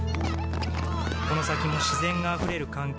この先も自然があふれる環境を